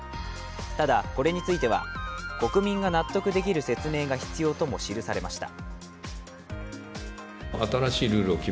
ただこれについは、国民が納得できる説明が必要とも記されました。